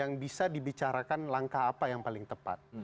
yang bisa dibicarakan langkah apa yang paling tepat